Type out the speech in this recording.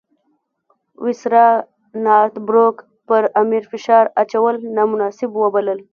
وایسرا نارت بروک پر امیر فشار اچول نامناسب وبلل.